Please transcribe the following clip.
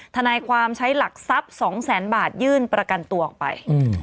ทนายความใช้หลักทรัพย์๒แสนบาทยื่นประกันตัวออกไป